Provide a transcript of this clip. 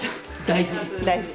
大事。